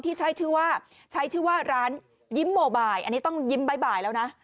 ที่ใช้ชื่อว่าร้านยิ้มโมไบล์อันนี้ต้องยิ้มบ่ายแล้วนะ